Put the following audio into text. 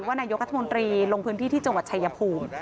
นายกรัฐมนตรีลงพื้นที่ที่จังหวัดชายภูมิ